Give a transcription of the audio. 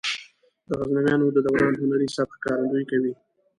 د غزنویانو د دوران هنري سبک ښکارندويي کوي.